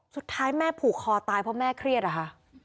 สุดท้ายแม่ผูกคอตายเพราะแม่เครียดอะค่ะ